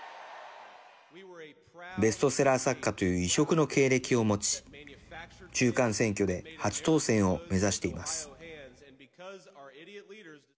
ベストセラー作家という異色の経歴を持ち中間選挙で初当選を目指しています。